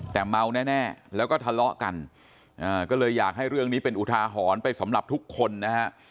แต่เมาแน่แล้วก็ทะเลาะกันก็เลยอยากให้เรื่องนี้เป็นอุทาหรณ์ไปสำหรับทุกคนนะฮะ